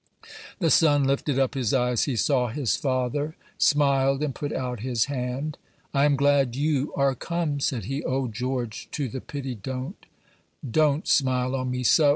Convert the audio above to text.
The son lifted up his eyes; he saw his father, smiled, and put out his hand. "I am glad you are come," said he. "O George, to the pity, don't! don't smile on me so!